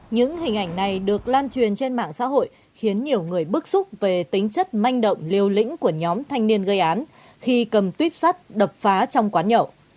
những hình ảnh này được lan truyền trên mạng xã hội khiến nhiều người bức xúc về tính chất manh động liều lĩnh của nhóm thanh niên gây án khi cầm tuyếp sắt đập phá trong quán nhậu